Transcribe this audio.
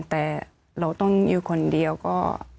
แต่เราต้องอยู่คนเดียวก็